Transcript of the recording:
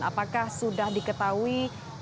apakah sudah diketahui